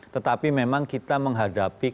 tetapi memang kita menghadapi